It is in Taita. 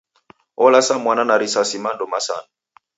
Olasa mwana na risasi mando masanu!